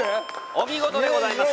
お見事でございます